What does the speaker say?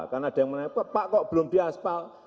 karena ada yang menanyakan pak kok belum diaspal